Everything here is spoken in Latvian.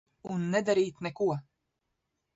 Un nedarīt neko.